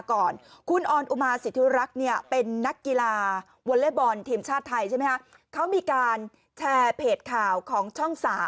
เค้ามีการแชร์เพจข่าวของช่อง๓